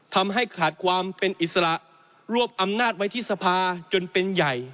ทำให้ขาดความเป็นอิสระรวบอำนาจไว้ที่สภาจนเป็นใหญ่